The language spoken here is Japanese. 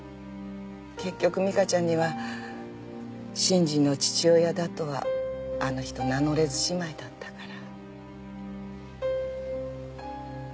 結局美香ちゃんには真治の父親だとはあの人名乗れずじまいだったから。